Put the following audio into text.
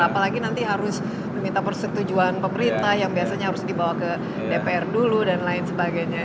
apalagi nanti harus meminta persetujuan pemerintah yang biasanya harus dibawa ke dpr dulu dan lain sebagainya